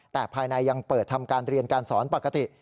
แต่ภายในยังเปิดทำการเรียนการสอนปกติ